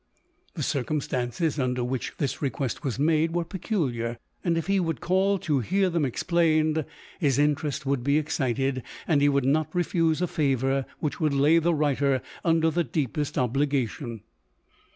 The circumstances under which this request was made were peculiar ; and if he would call to hear them explained, his interest would be excited, and he would not refuse a favour which would lay the writer un der the deepest obligation.